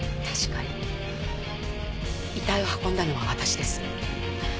確かに遺体を運んだのは私です。